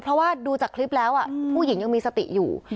เพราะว่าดูจากคลิปแล้วผู้หญิงยังมีสติอยู่